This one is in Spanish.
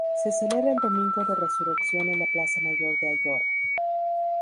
Se celebra el Domingo de Resurrección en la Plaza Mayor de Ayora.